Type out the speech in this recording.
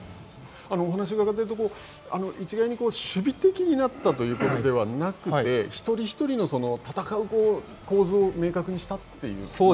お話を伺っていると、一概に守備的になったということではなくて、一人一人が戦う構図を明確にしたというと。